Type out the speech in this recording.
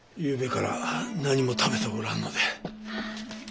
ゆうべから何も食べておらぬので。